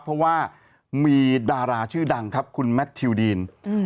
เพราะว่ามีดาราชื่อดังครับคุณแมททิวดีน